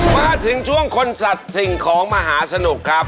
มาถึงช่วงคนสัตว์สิ่งของมหาสนุกครับ